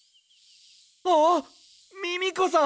ああっミミコさん！